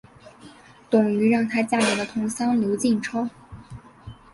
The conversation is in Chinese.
董瑀让她嫁给了同乡刘进超。